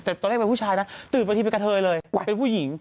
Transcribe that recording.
แต่ตอนแรกเป็นผู้ชายนะตื่นไปทีเป็นกระเทยเลยเป็นผู้หญิง